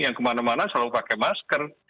yang kemana mana selalu pakai masker